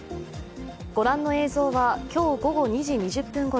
ご覧の映像は今日午後２時２０分ごろ